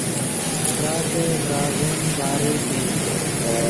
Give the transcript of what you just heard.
فراتے ڤراݱین باریک ای